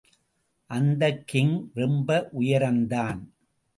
அந்த சிங் ரொம்ப உயரந்தான்.